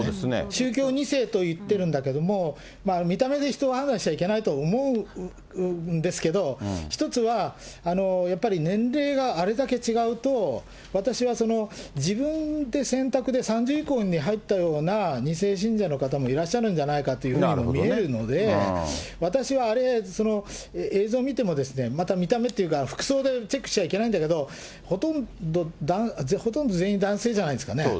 宗教２世といってるんですけれども、見た目で人を判断しちゃいけないと思うんですけれども、１つは、やっぱり年齢があれだけ違うと、私は自分で選択で、３０以降に入ったような、２世信者の方もいらっしゃるんじゃないかというふうにも見えるので、私はあれ、映像見ても、また見た目っていうか、服装でチェックしちゃいけないんだけれども、ほとんど全員男性じゃないですかね。